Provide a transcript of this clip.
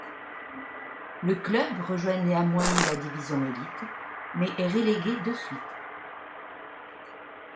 Le club rejoint néanmoins la Division Élite mais est relégué de suite.